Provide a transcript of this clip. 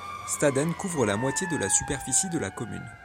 Staden couvre la moitié de la superficie de la commune.